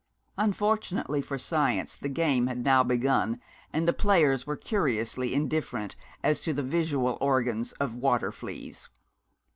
Unfortunately for science, the game had now begun, and the players were curiously indifferent as to the visual organs of water fleas.